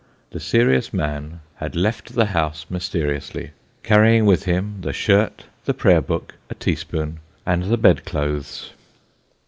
The serious man had left the house mysteriously; carrying with him the shirt, the prayer book, a teaspoon, and the bed clothes.